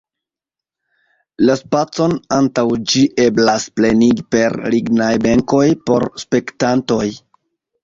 La spacon antaŭ ĝi eblas plenigi per lignaj benkoj por spektantoj.